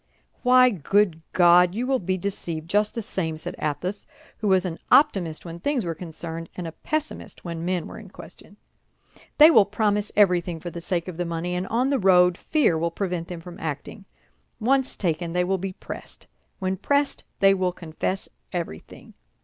"Why, good God! you will be deceived just the same," said Athos, who was an optimist when things were concerned, and a pessimist when men were in question. "They will promise everything for the sake of the money, and on the road fear will prevent them from acting. Once taken, they will be pressed; when pressed, they will confess everything.